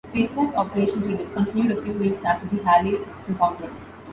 Spacecraft operations were discontinued a few weeks after the Halley encounters.